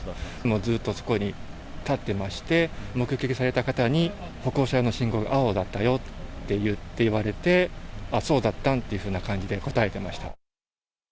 ずっとそこに立っていまして、目撃された方に、歩行者用の信号青だったよって言われて、ああ、そうだったんという感じで答えてました。